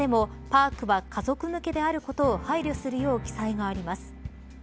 パークは家族向けであることを配慮するよう記載があります。